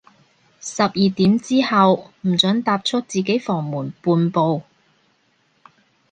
十二點之後，唔准踏出自己房門半步